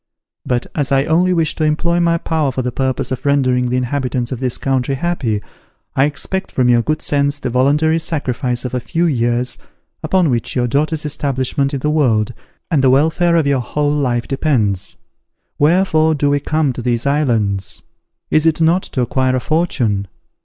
But as I only wish to employ my power for the purpose of rendering the inhabitants of this country happy, I expect from your good sense the voluntary sacrifice of a few years, upon which your daughter's establishment in the world, and the welfare of your whole life depends. Wherefore do we come to these islands? Is it not to acquire a fortune?